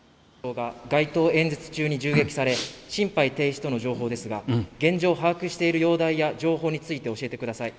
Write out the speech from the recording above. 街頭演説中に銃撃され、心肺停止との情報ですが、現状把握している容体や情報について教えてください。